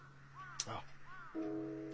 ああ。